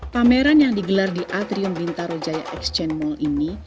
pameran yang digelar di atrium bintaro jaya exchant mall ini